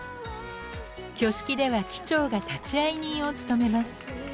挙式では機長が立会人を務めます。